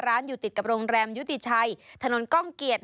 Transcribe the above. อยู่ติดกับโรงแรมยุติชัยถนนก้องเกียรติ